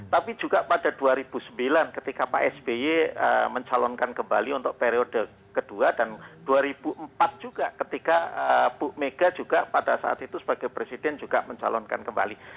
tapi juga pada dua ribu sembilan ketika pak sby mencalonkan kembali untuk periode kedua dan dua ribu empat juga ketika bu mega juga pada saat itu sebagai presiden juga mencalonkan kembali